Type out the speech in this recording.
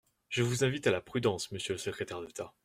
Je vous invite à la prudence, monsieur le secrétaire d’État.